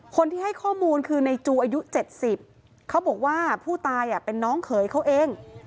คนที่ให้ข้อมูลคือในจูอายุ๗๐เขาบอกว่าผู้ตายเป็นน้องเขยเขาเอง